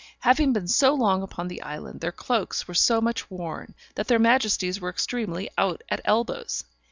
Having been so long upon the island, their cloaks were so much worn, that their majesties were extremely out at elbows.